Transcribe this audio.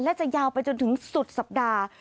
และจะยาวไปจนถึงสุดสัปดาห์